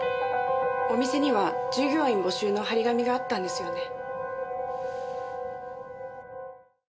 お店には従業員募集の貼り紙があったんですよね。